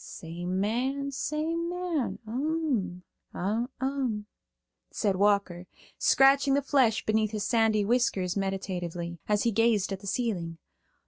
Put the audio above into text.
"Same man, same man. Um, um," saidWalker, scratching the flesh beneath his sandy whiskers meditatively, as he gazed at the ceiling.